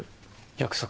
約束？